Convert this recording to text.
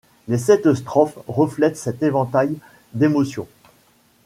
Les sept strophes reflètent cet éventail d'émotions.